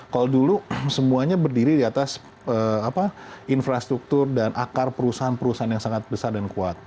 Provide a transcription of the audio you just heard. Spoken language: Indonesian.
kalau dulu semuanya berdiri di atas infrastruktur dan akar perusahaan perusahaan yang sangat besar dan kuat